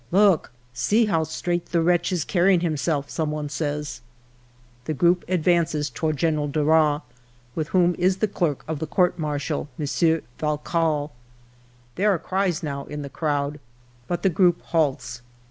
"' Look, see how straight the wretch is carrying him self,' some one says. " The group advances toward General Darras, with whom is the clerk of the Court Martial, M. Vallecale. "There are cries now in the crowd. ALFRED DREYFUS 67 " But the group halts.